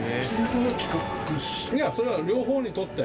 いやそれは両方にとって。